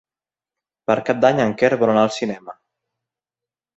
Per Cap d'Any en Quer vol anar al cinema.